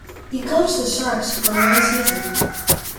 He coached the Sharks for one season.